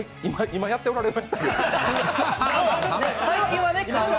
今やっておられましたね。